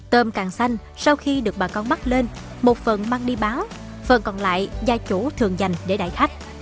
tôm càng xanh sau khi được bà con bắt lên một phần mang đi báo phần còn lại gia chủ thường dành để đại khách